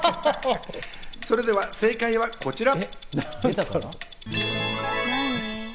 それでは正解は、こちら。